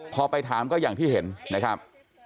พอไปถามก็อย่างที่เห็นนะครับ